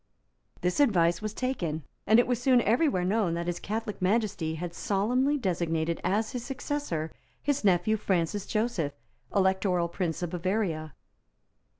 The advice was taken; and it was soon every where known that His Catholic Majesty had solemnly designated as his successor his nephew Francis Joseph, Electoral Prince of Bavaria.